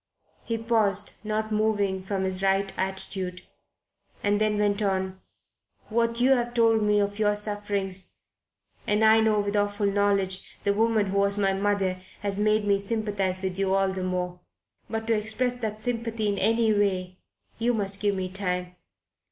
He paused, not moving from his rigid attitude, and then went on: "What you have told me of your sufferings and I know, with awful knowledge, the woman who was my mother has made me sympathize with you all the more. But to express that sympathy in any way you must give me time.